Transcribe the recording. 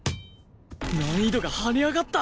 難易度が跳ね上がった！